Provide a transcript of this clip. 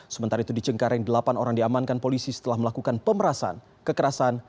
sementara itu di cengkareng delapan orang diamankan polisi setelah melakukan pemerasan kekerasan